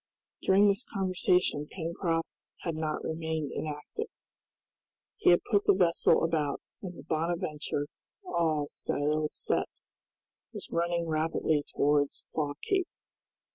During this conversation Pencroft had not remained inactive. He had put the vessel about, and the "Bonadventure," all sails set, was running rapidly towards Claw Cape.